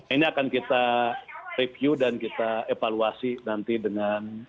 ini akan kita review dan kita evaluasi nanti dengan